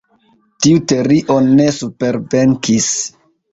Tiu teorio ne supervenkis.